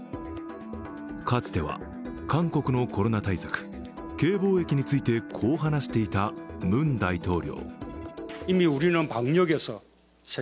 かつては韓国のコロナ対策、Ｋ防疫についてこう話していた、ムン大統領。